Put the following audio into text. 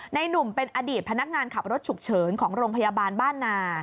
หนุ่มเป็นอดีตพนักงานขับรถฉุกเฉินของโรงพยาบาลบ้านนา